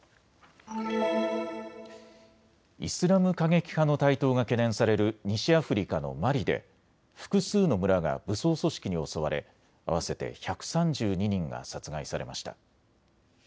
イスラム過激派の台頭が懸念される西アフリカのマリで複数の村が武装組織に襲われ合わせて１３２人が殺害されました。